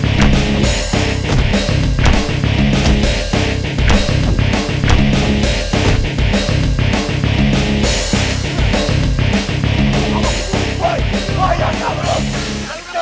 udah kepalang kita hajar aja mereka